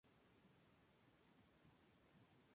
Las flores se utilizan para aumentar el semen en los hombres.